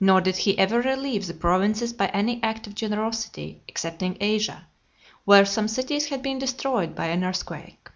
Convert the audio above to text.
Nor did he ever relieve the provinces by any act of generosity, excepting Asia, where some cities had been destroyed by an earthquake.